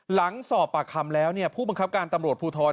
หลังสอบปากคำแล้วผู้บังคับการตำรวจภูทร